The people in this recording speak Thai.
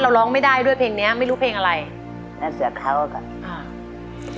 เราร้องไม่ได้ด้วยเพลงนี้ไม่รู้เพลงอะไรเอาแต่เขาก่อน